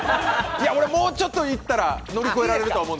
俺、もうちょっといったら、乗り越えられると思う。